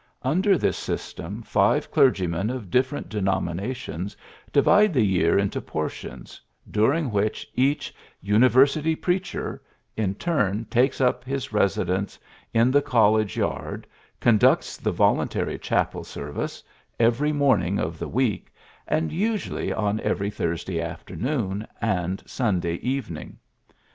Under this system five clergymen of different denominations divide the year into por tions, during which each ^'University Preacher" in turn takes up his resi dence in the college yard, conducts the voluntary chapel service evefry morn ing of the week, and usually on every Thursday afternoon and Sunday even ing.